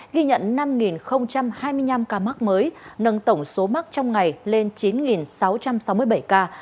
ghi nhận năm hai mươi năm ca mắc mới nâng tổng số mắc trong ngày lên chín sáu trăm sáu mươi bảy ca